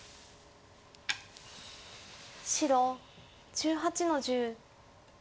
白１８の十。